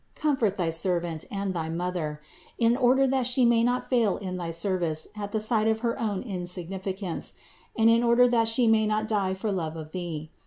Comfort thy servant and thy Mother, in order that She may not fail in thy service at the sight of her own insignificance, and in order that she may not die for love of Thee.